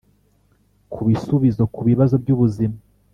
kubisubizo kubibazo byubuzima,